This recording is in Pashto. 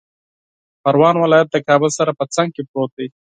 پروان ولایت د کابل سره په څنګ کې پروت دی